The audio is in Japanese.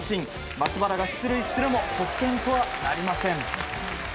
松原が出塁するも得点とはなりません。